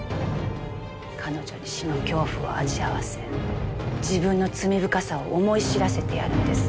彼女に死の恐怖を味わわせ自分の罪深さを思い知らせてやるんです。